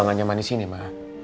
udah gak nyaman di sini ma